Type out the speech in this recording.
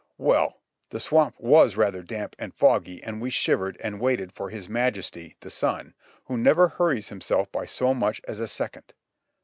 Well ! The swamp zvas rather damp and foggy and we shivered and waited for His Majesty, the sun, who never hurries himself by so much as a second.